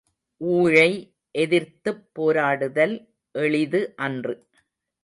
ஊழை எதிர்த்துப் போராடுதல் எளிது அன்று.